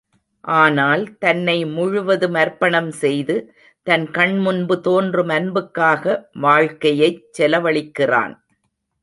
ஆனால், தன்னை முழுவதும் அர்ப்பணம் செய்து, தன் கண்முன்பு தோன்றும் அன்புக்காக வாழ்க்கையைச் செலவழிக்கிறான்.